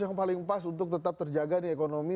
yang paling pas untuk tetap terjaga di ekonomi